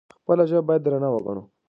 خپله ژبه باید درنه وګڼو.